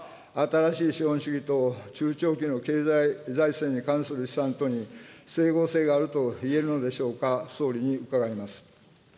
新しい資本主義と中長期の経済財政に関する試算とに、整合性があると言えるのでしょうか、総理に伺います。